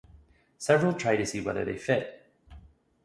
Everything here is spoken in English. Several tried to see whether they fit.